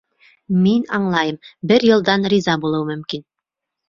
Мин аңлайым, бер йылдан риза булыуы мөмкин.